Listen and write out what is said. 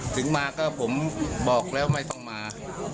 ถึงมาก็ผมบอกแล้วไม่ต้องมา